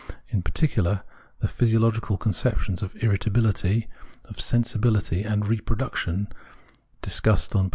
In particular the physiological conceptions of " irrit ability," " sensibility " and " reproduction," discussed on p.